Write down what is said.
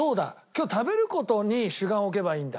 今日食べる事に主眼を置けばいいんだ。